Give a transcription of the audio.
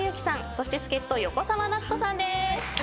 そして助っ人横澤夏子さんです。